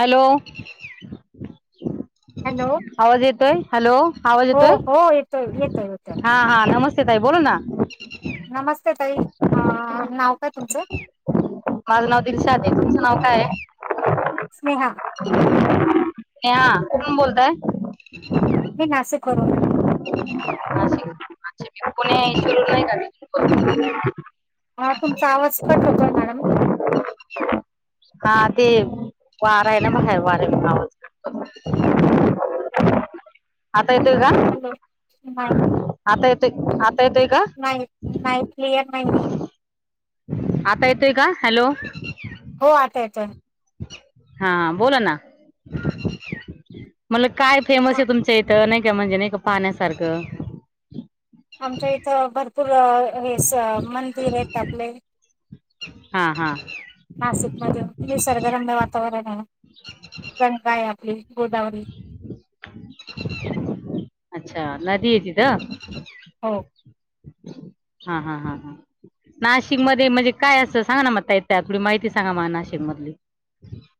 Hello. Hello आवाज येतोय hello आवाज हो हो येतोय येतोय येतोय हा हा नमस ते ताई बोला ना. हा नाव काय तुमचं माझं नाव दिक्षा आहे, तुमचं नाव काय आहे? स्नेहा ह कुठून बोलतंय? मी नासिक वरून [unintelligible] हा तुमचा आवाज कट होतोय मॅडम. बोलते. हा ते वारा आहे ना बाहेर वाऱ्यामुळं आवाज [inaudible] आता येतोय का? हॅलो नाही. [unintelligible] नाही नाही क्लियर नाही आहे. आता येतोय का हॅलो. हो आता येतोय. हा बोला ना मला काय फेमस अ, आहे तुमच्या इथं नाही काय म्हणजे नाही का पाण्यासारखं आमच्या इथं भरपूर हे स मंदिर आहेत आपले हा हा नासिक मधे निसर्गरम्य वातावरण आहे. गंगा ये आपली गोदावरी. अच्छा नदी आहे तिथं? हो हा हा हा हा. नाशिकमध्ये म्हणजे काय असं सांगा ना म ताई थोडी माहिती सांगा म नाशिक मधली.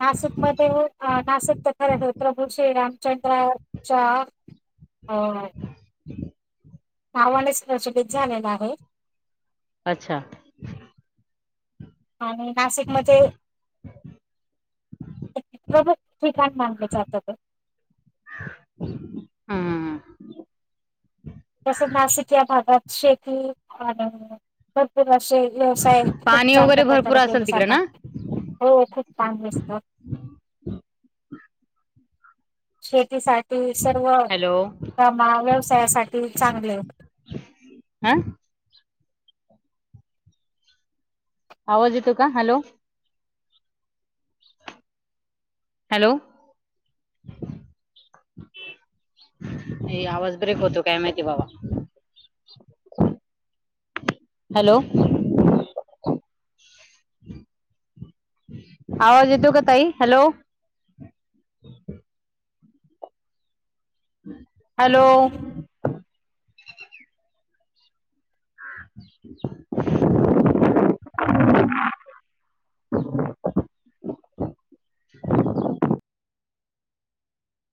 नाशिकमध्ये नाशिक प्रभु श्री रामचंद्राच्या अ पावणे सुशोभित झालेला आहे. अच्छा. आणि नाशिकमध्ये [inaudible] हम्म तसं नाशिक या भागात शेती आणि भरपूर असे व्यवसाय खूप पाणी वगैरे चांगल्या भरपूर प्रकारे केले असेल तिकडे ना जातात. हो खूप [inaudible] [unintelligible] शेतीसाठ ते सर्व हॅलो कामा व्यवसायासाठी चांगले हा? आवाज येतो का हॅलो? हॅलो. ए आवाज ब्रेक होतो काय माहिती बाबा. हॅलो. आवाज येतो का ताई हॅलो? हॅलो. [inaudible]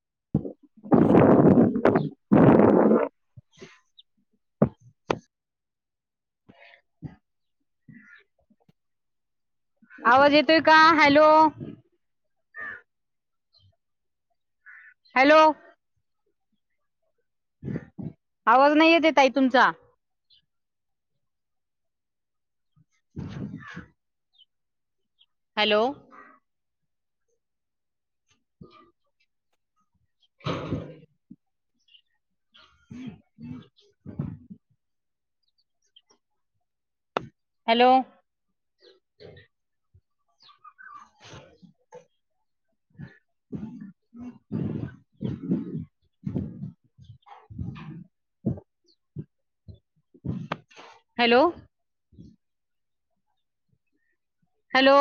[inaudible] आवाज येतोय का? Hello hello. आवाज नाही येते ताई तुमचा. [inaudible] हॅलो. हॅलो. हॅलो. हॅलो.